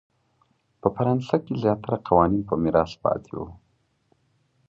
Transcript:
په فرانسه کې زیاتره قوانین په میراث پاتې وو.